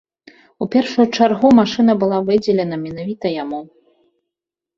У першую чаргу машына была выдзелена менавіта яму.